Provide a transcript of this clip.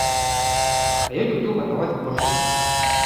А я люблю гатаваць боршч.